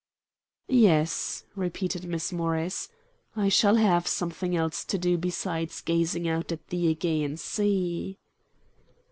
"Yes," repeated Miss Morris, "I shall have something else to do besides gazing out at the AEgean Sea."